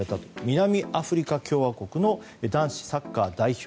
南アフリカ共和国の男子サッカー代表。